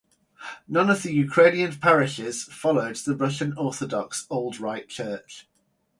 None of the Ukrainian parishes followed the Russian Orthodox Old-Rite Church.